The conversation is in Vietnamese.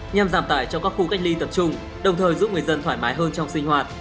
nhằm giảm tải trong các khu cách ly tập trung đồng thời giúp người dân thoải mái hơn trong sinh hoạt